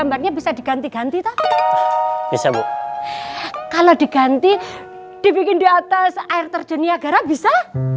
airnya bisa diganti ganti tak bisa bu kalau diganti dibikin di atas air terjenia gara bisa